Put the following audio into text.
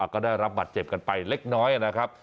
ก็ได้รับบัตรเจ็บกันไปเล็กน้อยนะครับ